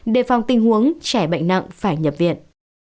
đề phòng tình huống trẻ bệnh nặng phải nhập viện